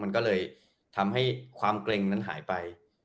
มันก็เลยทำให้ความเกร็งนั้นหายไป